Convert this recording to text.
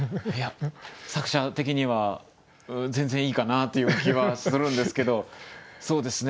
作者的には全然いいかなという気はするんですけどそうですね